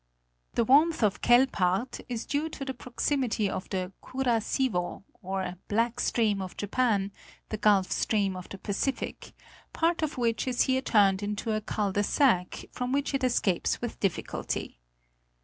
The warmth of Quelpaert is due to the proximity of the Kura siwo, or Black Stream of Japan, the Gulf Stream of the Pacific, part of which is here turned into a cul de sac, from which it escapes with difficulty.